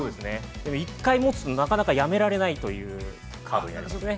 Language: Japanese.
◆１回持つとなかなかやめられないというカードになりますね。